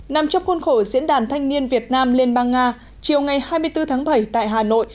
nằm trong khuôn khổ diễn đàn thanh niên việt nam liên bang nga chiều ngày hai mươi bốn tháng bảy tại hà nội